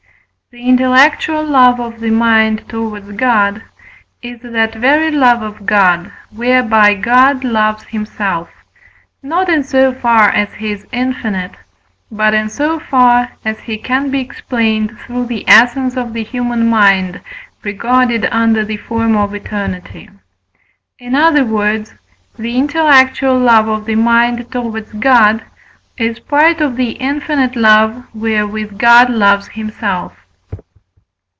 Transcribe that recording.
The intellectual love of the mind towards God is that very love of God whereby God loves himself, not in so far as he is infinite, but in so far as he can be explained through the essence of the human mind regarded under the form of eternity; in other words, the intellectual love of the mind towards God is part of the infinite love wherewith God loves himself.